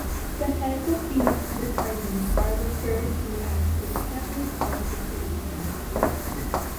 The heads of these departments are referred to as the Cabinet of the Philippines.